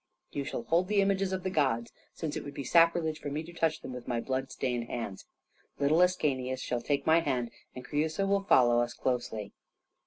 You shall hold the images of the gods, since it would be sacrilege for me to touch them with my blood stained hands. Little Ascanius shall take my hand, and Creusa will follow us closely."